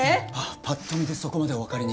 ぱっと見でそこまでお分かりに？